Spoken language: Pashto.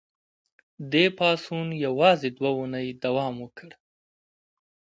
دې پاڅون یوازې دوه اونۍ دوام وکړ.